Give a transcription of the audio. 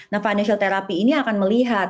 nah financial therapy ini akan melihat